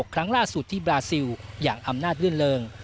ครั้งล่าสุดที่บราซิลอย่างอำนาจลื่นเริง